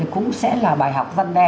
cũng sẽ là bài học văn đe